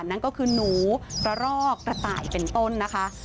นั่นก็คือหนูกระรอกกระต่ายเป็นต้นนะคะ